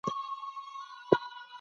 زموږ بدن داخلي ساعت لري.